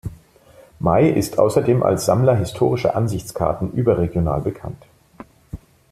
May ist außerdem als Sammler historischer Ansichtskarten überregional bekannt.